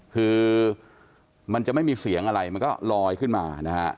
คือมันจะไม่มีเสียงอะไรมันก็ลอยขึ้นมานะฮะ